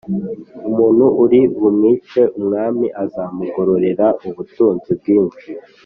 Umuntu uri bumwice umwami azamugororera ubutunzi bwinshi